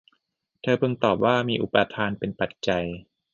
เธอพึงตอบว่า มีอุปาทานเป็นปัจจัย